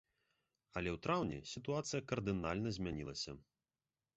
Але ў траўні сітуацыя кардынальна змянілася.